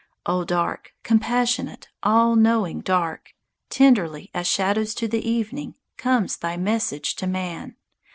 O Dark! compassionate, all knowing Dark! Tenderly, as shadows to the evening, comes thy message to man.